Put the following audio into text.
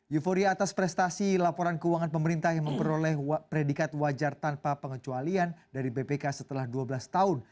euforia atas prestasi laporan keuangan pemerintah yang memperoleh predikat wajar tanpa pengecualian dari bpk setelah dua belas tahun